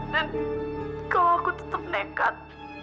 dan kalo aku tetep nekat